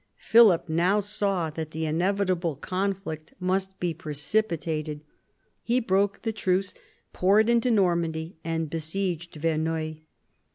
Philip now saw that the inevitable conflict must be precipitated. He broke the truce, poured into Normandy, and besieged Verneuil.